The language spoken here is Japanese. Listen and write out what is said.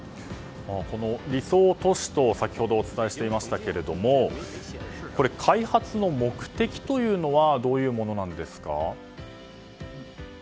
理想都市と先ほどお伝えしていましたがこれ、開発の目的というのはどういうものなんですか？